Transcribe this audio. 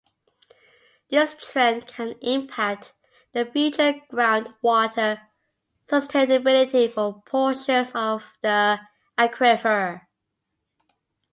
This trend can impact the future groundwater sustainability for portions of the aquifer.